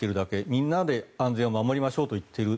みんなで安全を守りましょうと言っている。